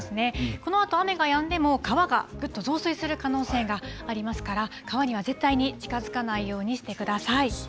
このあと雨がやんでも、川がぐっと増水する可能性がありますから、川には絶対に近づかないようにしてください。